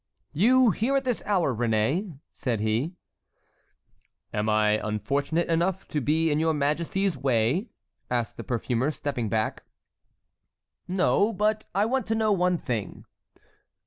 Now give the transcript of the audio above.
"You here at this hour, Réné?" said he. "Am I unfortunate enough to be in your majesty's way?" asked the perfumer, stepping back. "No, but I want to know one thing."